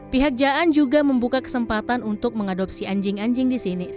pihak jaan juga membuka kesempatan untuk mengadopsi anjing anjing di sini